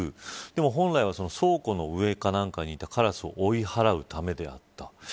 でも本来は倉庫の上か何かにいたカラスを追い払うためであった。